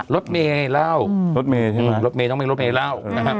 รถเมล่ารถเมล่าใช่ไหมรถเมล่าต้องเป็นรถเมล่า